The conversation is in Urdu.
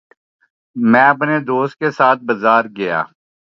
میں اپنے دوست کے ساتھ بازار گیا